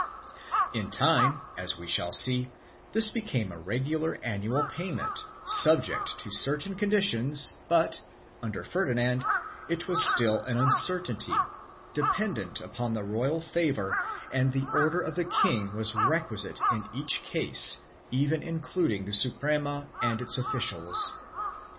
In time, as we shall see, this became a regular annual payment, subject to certain conditions but, under Ferdinand, it was still an uncertainty, dependent upon the royal favor and the order of the king was requisite in each case, even including the Suprema and its officials.